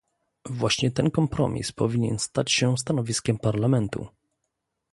Właśnie ten kompromis powinien stać się stanowiskiem Parlamentu